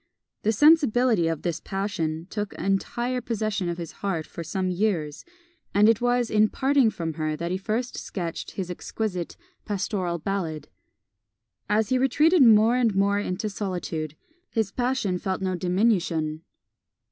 The sensibility of this passion took entire possession of his heart for some years, and it was in parting from her that he first sketched his exquisite "Pastoral Ballad." As he retreated more and more into solitude, his passion felt no diminution.